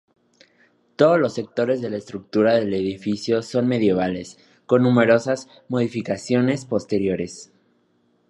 Todos los sectores de la estructura del edificio son medievales, con numerosas modificaciones posteriores.